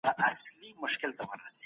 ولي ځیني کورنۍ د کور زده کړه غوره کوي؟